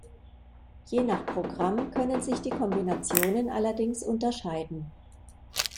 Je nach Programm können sich die Kombinationen allerdings unterscheiden.